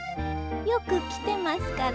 よく来てますから。